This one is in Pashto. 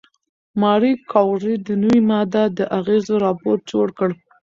ماري کوري د نوې ماده د اغېزو راپور جوړ کړ.